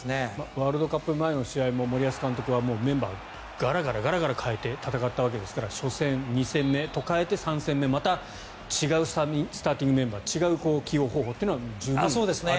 ワールドカップ前の試合も森保監督はメンバー、ガラガラ代えて戦ったわけですから初戦、２戦目と変えて３戦目また違うスターティングメンバー違う起用方法というのは十分あるわけですね。